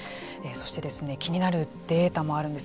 そして、気になるデータもあるんです。